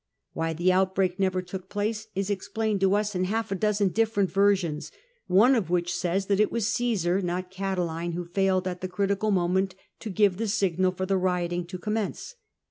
Why the outbreak never took place is ex plained to us in half a dozen different versions, one of which says that it was Caesar, not Catiline, who failed at the critical moment to give the signal for the rioting to commence.